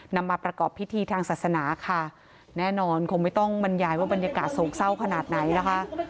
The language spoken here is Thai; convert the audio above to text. นำมาประกอบพิธีทางศาสนาค่ะแน่นอนคงไม่ต้องบรรยายว่าบรรยากาศโศกเศร้าขนาดไหนนะคะ